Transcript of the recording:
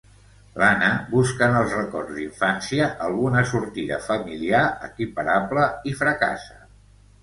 L'Anna busca en els records d'infància alguna sortida familiar equiparable i fracassa.